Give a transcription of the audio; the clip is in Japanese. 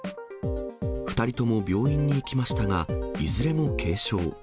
２人とも病院に行きましたが、いずれも軽傷。